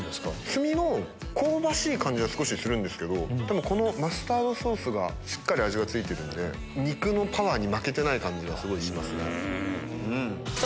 炭の香ばしい感じは少しするんですけどでもこのマスタードソースがしっかり味が付いてるんで肉のパワーに負けてない感じがすごいしますね。